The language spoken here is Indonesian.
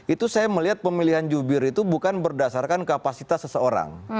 itu saya melihat pemilihan jubir itu bukan berdasarkan kapasitas seseorang